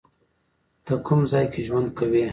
ته کوم ځای کې ژوند کوی؟